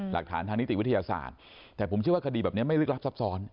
หลักฐานทางนิติวิทยาศาสตร์แต่ผมเชื่อว่าคดีแบบนี้ไม่ลึกลับซับซ้อน